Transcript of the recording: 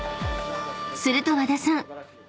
［すると和田さん